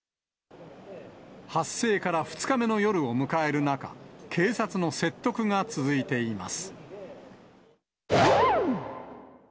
発生から２日目の夜を迎える中、警察の説得が続いています。